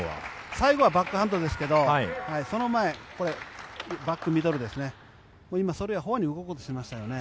最後はバックハンドですけどそのまえ、バックミドルですね。